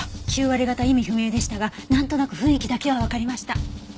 ９割方意味不明でしたがなんとなく雰囲気だけはわかりました。